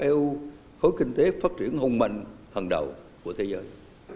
eu khối kinh tế phát triển hùng mạnh hàng đầu của thế giới